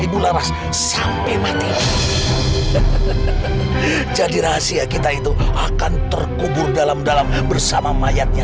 ibu laras sampai mati jadi rahasia kita itu akan terkubur dalam dalam bersama mayatnya